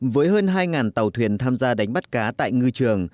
với hơn hai tàu thuyền tham gia đánh bắt cá tại ngư trường